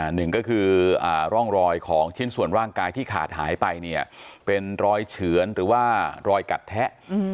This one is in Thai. หนึ่งก็คือร่องรอยของชิ้นส่วนร่างกายที่ขาดหายไปเนี่ยเป็นรอยเฉือนหรือว่ารอยกัดแทะ